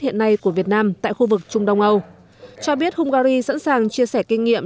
hiện nay của việt nam tại khu vực trung đông âu cho biết hungary sẵn sàng chia sẻ kinh nghiệm